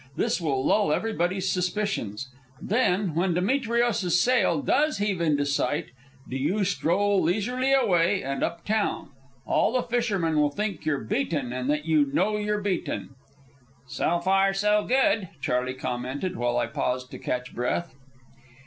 This will lull everybody's suspicions. Then, when Demetrios's sail does heave in sight, do you stroll leisurely away and up town. All the fishermen will think you're beaten and that you know you're beaten." "So far, so good," Charley commented, while I paused to catch breath.